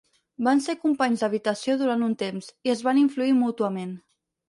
Van ser companys d'habitació durant un temps, i es van influir mútuament.